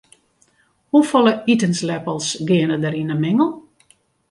Hoefolle itensleppels geane der yn in mingel?